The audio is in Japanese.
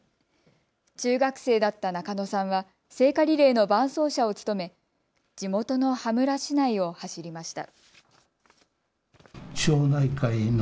中学生だった中野さんは聖火リレーの伴走者を務め地元の羽村市内を走りました。